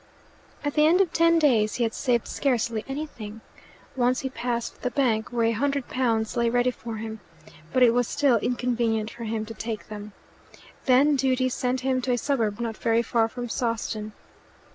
At the end of ten days he had saved scarcely anything. Once he passed the bank where a hundred pounds lay ready for him, but it was still inconvenient for him to take them. Then duty sent him to a suburb not very far from Sawston.